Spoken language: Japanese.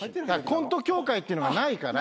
コント協会っていうのがないから。